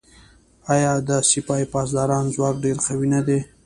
آیا د سپاه پاسداران ځواک ډیر قوي نه دی؟